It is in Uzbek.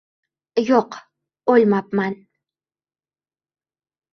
— Yo‘q, o‘lmabman.